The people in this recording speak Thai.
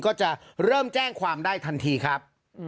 ก็จะเริ่มแจ้งความได้ทันทีครับ